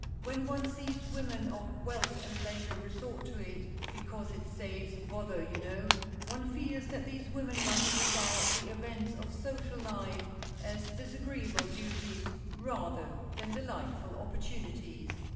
When one sees women of wealth and leisure resort to it—"Because it saves bother, you know"—one feels that these women must regard the events of social life as disagreeable duties rather than delightful opportunities.